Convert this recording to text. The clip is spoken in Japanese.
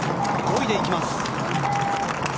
５位で行きます。